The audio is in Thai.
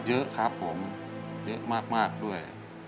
เยอะครับผมเยอะมากด้วย